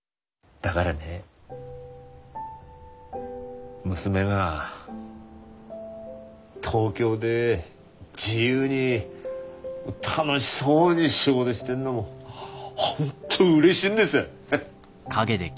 だがらね娘が東京で自由に楽しそうに仕事してんのもう本当うれしいんです。